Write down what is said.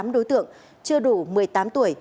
tám đối tượng chưa đủ một mươi tám tuổi